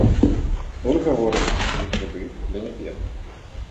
Тут гавораць, што такія крэдыты для нябедных.